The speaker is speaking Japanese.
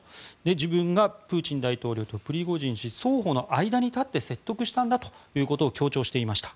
自分がプーチン大統領とプリゴジン氏双方の間に立って説得したんだということを強調していました。